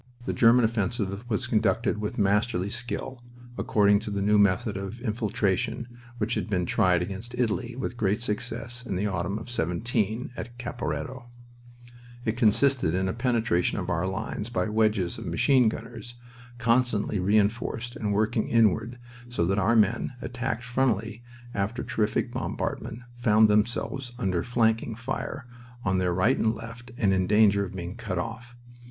The German offensive was conducted with masterly skill, according to the new method of "infiltration" which had been tried against Italy with great success in the autumn of '17 at Caporetto. It consisted in a penetration of our lines by wedges of machine gunners constantly reinforced and working inward so that our men, attacked frontally after terrific bombardment, found themselves under flanking fire on their right and left and in danger of being cut off.